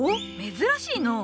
珍しいのう。